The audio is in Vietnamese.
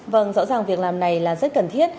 vâng rõ ràng việc làm này là rất cần thiết